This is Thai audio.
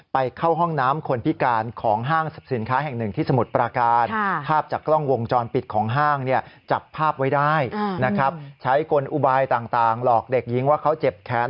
ไปเข้าห้องน้ำคนพิการ